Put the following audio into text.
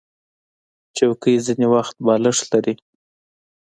چوکۍ ځینې وخت بالښت لري.